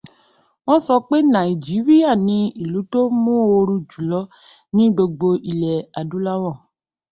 Wọ́n sọ pé Nàìjíríà ni ìlú tó móoru jùlọ ní gbogbo ilẹ̀ adúláwọ̀